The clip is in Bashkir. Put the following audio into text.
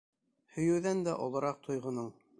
Һөйөүҙән дә олораҡ тойғоноң.